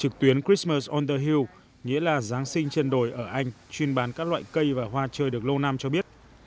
trực tuyến christmas on the hill nghĩa là giáng sinh trên đồi ở anh chuyên bán các loại cây và hoa chơi được lâu năm cho biết